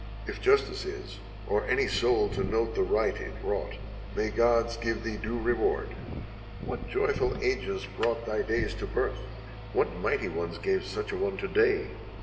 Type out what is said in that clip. If justice is, or any soul to note the right it wrought, May the gods give thee due reward. What joyful ages brought 275 NORTHERN AFRICA Thy days to birth? what mighty ones gave such an one to day?